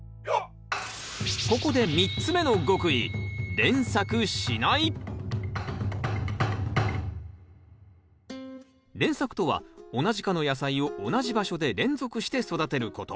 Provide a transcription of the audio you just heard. ここで３つ目の極意連作とは同じ科の野菜を同じ場所で連続して育てること。